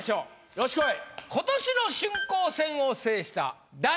よしこい。